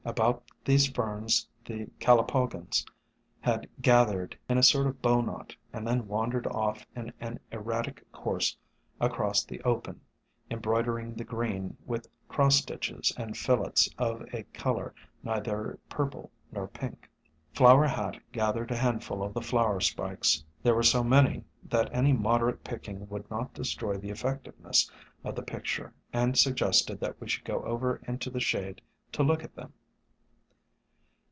About these Ferns the Calopogons had gath ered in a sort of bow knot, and then wandered off in an erratic course across the open, embroidering the green with cross stitches and fillets of a color neither purple nor pink. Flower Hat gathered a handful of the flower spikes — there were so many that any moderate picking would not destroy the effectiveness of the picture — and suggested that we should go over into the shade to look at them.